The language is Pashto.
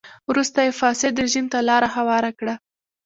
وروسته یې فاسد رژیم ته لار هواره کړه.